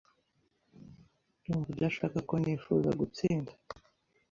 Ndumva udashaka ko nifuza gutsinda.